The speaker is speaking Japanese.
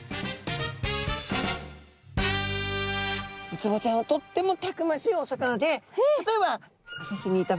ウツボちゃんはとってもたくましいお魚で例えば浅瀬にいた場合ですね